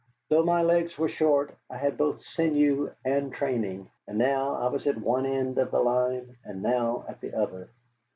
Though my legs were short, I had both sinew and training, and now I was at one end of the line and now at the other.